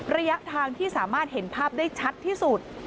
ระยะทางที่สามารถเห็นภาพได้ชัดที่สุด